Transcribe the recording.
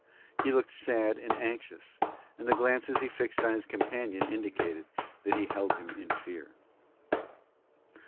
He looked sad and anxious, and the glances he fixed on his companion indicated that he held him in fear.